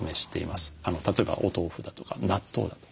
例えばお豆腐だとか納豆だとか。